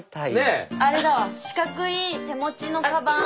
あれだわ四角い手持ちのかばん。